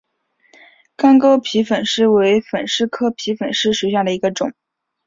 干沟皮粉虱为粉虱科皮粉虱属下的一个种。